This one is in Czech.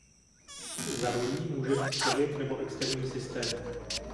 Za rolí může být člověk nebo externí systém.